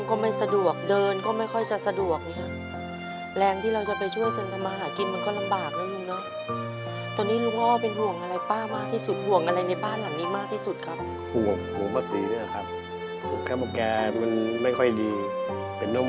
กูอยู่ที่รัฐปลูกเป็นอะไรอย่างเงี้ย